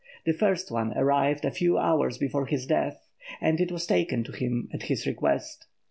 The first one arrived a few hours before his death, and it was taken to him, at his request.